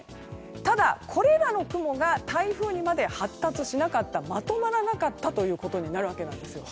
ただ、これらの雲が台風にまで発達しなかったまとまらなかったということになるわけです。